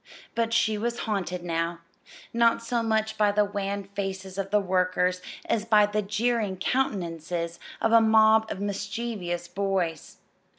But she was haunted now, not so much by the wan faces of the workers as by the jeering countenances of a mob of mischievous boys.